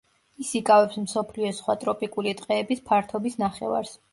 ის იკავებს მსოფლიოს სხვა ტროპიკული ტყეების ფართობის ნახევარს.